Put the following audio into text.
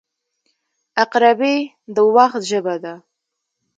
• عقربې د وخت ژبه ده.